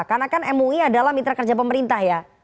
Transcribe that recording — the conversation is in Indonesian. karena kan mui adalah mitra kerja pemerintah ya